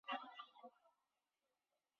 鼓膜与眼睛的直径相若。